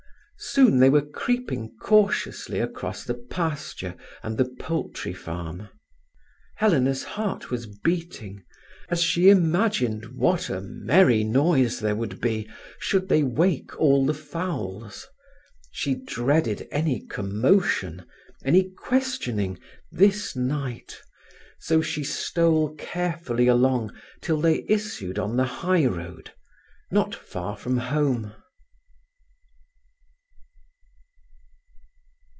Soon they were creeping cautiously across the pasture and the poultry farm. Helena's heart was beating, as she imagined what a merry noise there would be should they wake all the fowls. She dreaded any commotion, any questioning, this night, so she stole carefully along till they issued on the high road not far from home.